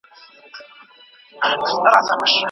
په ټيکنالوژۍ کې سيال شو.